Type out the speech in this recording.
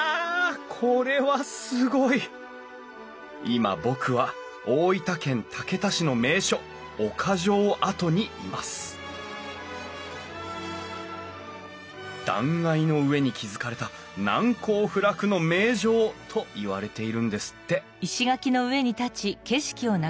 今僕は大分県竹田市の名所岡城跡にいます断崖の上に築かれた「難攻不落の名城」といわれているんですって